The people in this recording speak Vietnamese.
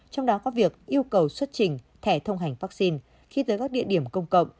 trong đó có việc yêu cầu xuất trình thẻ thông hành vaccine khi tới các địa điểm công cộng